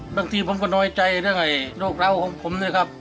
บางทีผมก็น้อยใจเรื่องไอ้โรคเหล้าของผมนะครับ